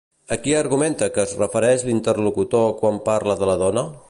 A qui argumenta que es refereix l'interlocutor quan parla de la dona?